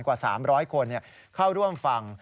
กว่า๓๐๐คนเข้าร่วมฟัง